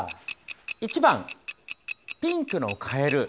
１番、ピンクのカエル。